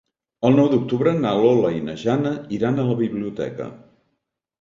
El nou d'octubre na Lola i na Jana iran a la biblioteca.